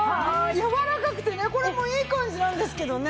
柔らかくてねこれもいい感じなんですけどね。